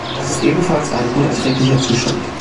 Das ist ebenfalls ein unerträglicher Zustand!